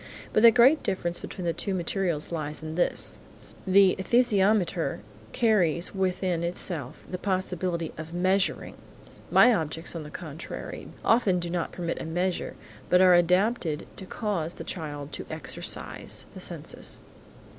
But the great difference between the two materials lies in this: The esthesiometer carries within itself the possibility of measuring; my objects on the contrary, often do not permit a measure, but are adapted to cause the child to exercise the senses.